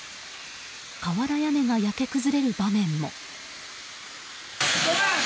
瓦屋根が焼け崩れる場面も。